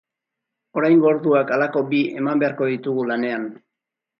Oraingo orduak halako bi eman beharko ditugu lanean.